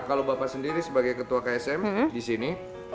nah kalau bapak sendiri sebagai ketua ksm disini